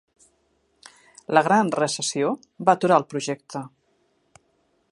La Gran Recessió va aturar el projecte.